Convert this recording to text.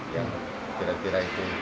yang kira kira itu